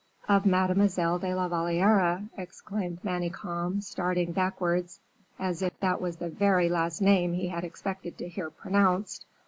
"Of Mademoiselle de la Valliere!" exclaimed Manicamp, starting backwards, as if that was the very last name he expected to hear pronounced.